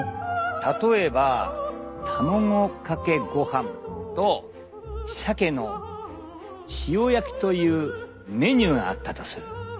例えば卵かけごはんとさけの塩焼きというメニューがあったとする。